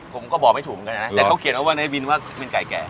ผมก็บอกไม่ถูกนะแต่เขาเขียนว่าว่าในวินว่าเป็นไก่แก่